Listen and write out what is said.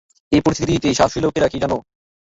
এ সমস্ত পরিস্থিতিতে সাহসী লোকেরা কী বলে জানো?